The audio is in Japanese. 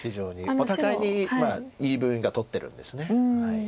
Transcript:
お互いに言い分が通ってるんです。